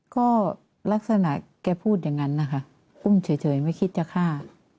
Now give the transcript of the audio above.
ก็ลักษณะแกพูดอย่างนั้นนะคะอุ้มเฉยไม่คิดจะฆ่า